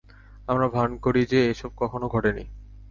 আমরা ভান করি যে, এ-সব কখনো ঘটে নি।